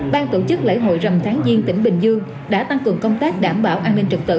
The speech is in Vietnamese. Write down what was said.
ban tổ chức lễ hội rầm tháng diên tỉnh bình dương đã tăng cường công tác đảm bảo an ninh trực tự